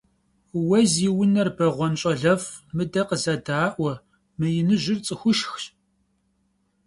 Vue zi vuner beğuen ş'alef', mıde khızeda'ue, mı yinıjır ts'ıxuşşxş.